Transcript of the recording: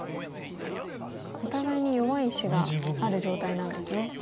お互いに弱い石がある状態なんですね。